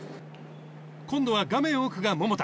今度は画面奥が桃田。